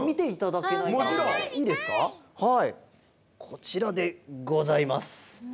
こちらでございます。